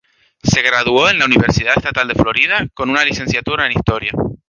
Se graduó en la Universidad Estatal de Florida con una Licenciatura en Historia.